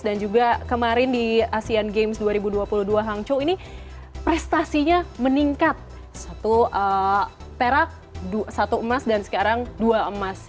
dan juga kemarin di asean games dua ribu dua puluh dua hangzhou ini prestasinya meningkat satu tera satu emas dan sekarang dua emas